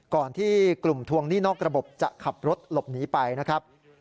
ก่อนที่กลุ่มทวงหนี้นอกระบบจะขับรถหลบหนีไปนะครับ